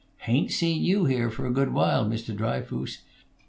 "Hain't seen you here for a good while, Mr. Dryfoos.